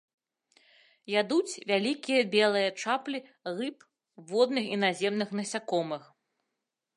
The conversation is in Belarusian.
Ядуць вялікія белыя чаплі рыб, водных і наземных насякомых.